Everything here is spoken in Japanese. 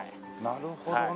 なるほどね。